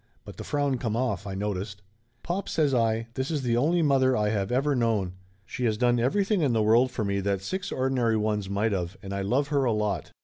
But the frown come off, I noticed. "Pop," says I, "this is the only mother I have ever known. She has done everything in the world for me that six ordinary ones might of, and I love her a lot.